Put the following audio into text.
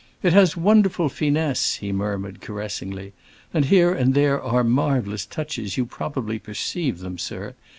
"It has wonderful finesse," he murmured, caressingly. "And here and there are marvelous touches, you probably perceive them, sir.